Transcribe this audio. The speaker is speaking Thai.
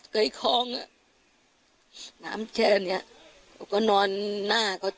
เกยคล้องน้ำแชลนะ